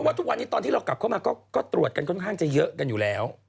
ว่าทุกวันนี้ตอนที่เรากลับเข้ามาก็ตรวจกันค่อนข้างจะเยอะกันอยู่แล้ว